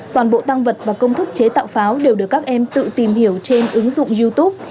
toàn bộ tăng vật và công thức chế tạo pháo đều được các em tự tìm hiểu trên ứng dụng youtube